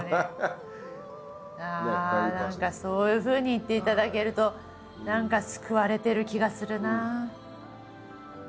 何かそういうふうに言っていただけると何か救われてる気がするなあ。